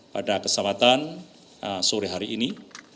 pada kesempatan sore hari ini